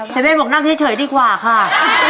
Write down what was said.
เวทบอกนั่งเฉยดีกว่าค่ะ